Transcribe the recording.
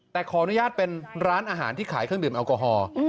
แต่ขออนุญาตเป็นร้านอาหารที่ขายเครื่องดื่มแอลกอฮอล์